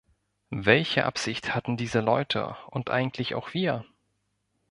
Welche Absicht hatten diese Leute und eigentlich auch wir?